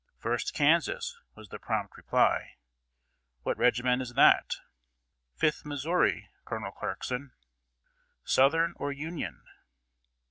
"First Kansas," was the prompt reply. "What regiment is that?" "Fifth Missouri, Col. Clarkson." "Southern or Union?"